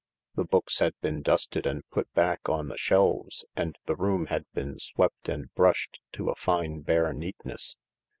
The books had been dusted and put back on the shelves, and the room had been swept and brushed to a fine bare neatness.